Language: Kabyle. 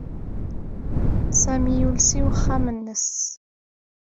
Sami yules i uxxam-nnes.